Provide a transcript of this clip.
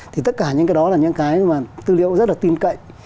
thì tất cả những cái đó là những cái mà tư liệu rất là tin cậy